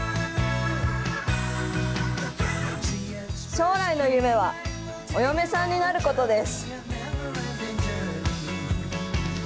将来の夢はお嫁さんになることです。